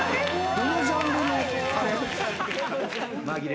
どのジャンルのあれ？